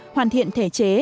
hoàn thiện thể chế